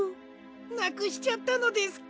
なくしちゃったのですか？